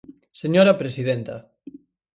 Señora presidenta.